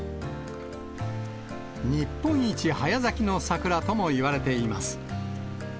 日本一早咲きの桜ともいわれています。